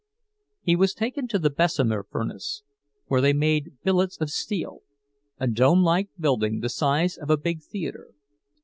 He was taken to the Bessemer furnace, where they made billets of steel—a dome like building, the size of a big theater.